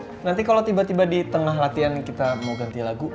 oke nanti kalau tiba tiba di tengah latihan kita mau ganti lagu